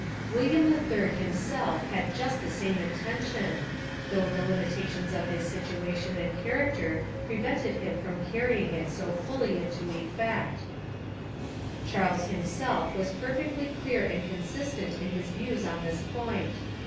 William III him self had just the same intention, though the limitations of his situation and character pre 293 Essays and Literary Studies vented him from carrying it so fully into effect. Charles himself was perfectly clear and con sistent in his views on this point.